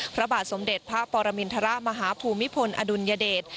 พระบาทสมเด็จพระปรมินทรมาฮภูมิพลอดุลยเดช